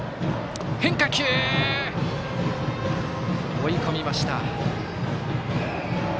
追い込みました。